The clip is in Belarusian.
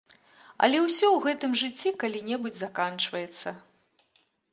Але ўсё ў гэтым жыцці калі-небудзь заканчваецца.